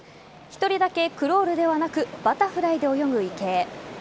１人だけクロールではなくバタフライで泳ぐ池江。